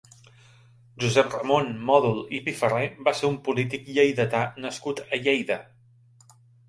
Josep Ramon Mòdol i Pifarré va ser un polític lleidatà nascut a Lleida.